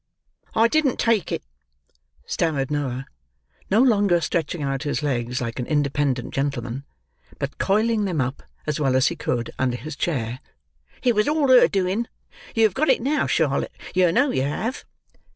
"I didn't take it," stammered Noah, no longer stretching out his legs like an independent gentleman, but coiling them up as well as he could under his chair; "it was all her doing; yer've got it now, Charlotte, yer know yer have."